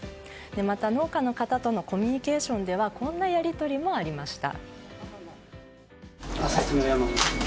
また、農家の方とのコミュニケーションではこんなやり取りもありました。